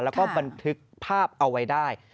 แล้วก็บันทึกภาพเอาไว้ได้